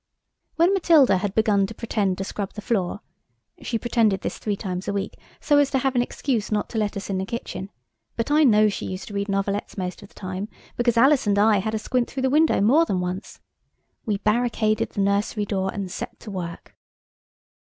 When Matilda had begun to pretend to scrub the floor (she pretended this three times a week so as to have an excuse not to let us in the kitchen, but I know she used to read novelettes most of the time, because Alice and I had a squint through the window more than once), we barricaded the nursery door and set to work.